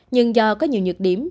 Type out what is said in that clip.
nhưng do có nhiều nhược điểm